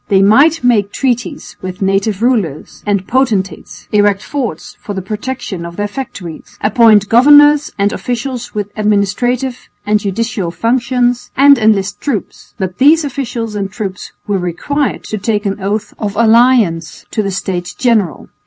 They might make treaties with native rulers and potentates, erect forts for the protection of their factories, appoint governors and officials with administrative and judicial functions, and enlist troops, but these officials and troops were required to take an oath of allegiance to the States General.